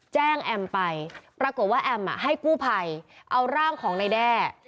แอมไปปรากฏว่าแอมให้กู้ภัยเอาร่างของนายแด้